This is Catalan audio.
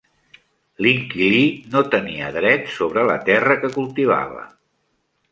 L'inquilí no tenia dret sobre la terra que cultivava.